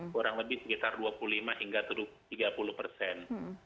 kurang lebih sekitar dua puluh lima hingga tiga puluh persen